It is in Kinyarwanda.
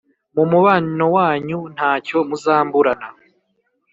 mumubano wanyu ntacyo muzamburana.